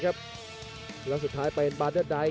กันต่อแพทย์จินดอร์